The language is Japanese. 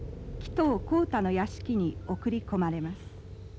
鬼頭洪太の屋敷に送り込まれます